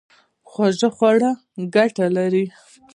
خواږه خوړل ګټه لري